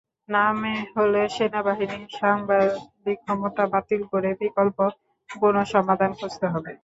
নামে হলে সেনাবাহিনীর সাংবিধানিক ক্ষমতা বাতিল করে বিকল্প কোনো সমাধান খুঁজতে হবে।